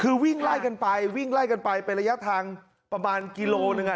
คือวิ่งไล่กันไปวิ่งไล่กันไปเป็นระยะทางประมาณกิโลหนึ่งอ่ะ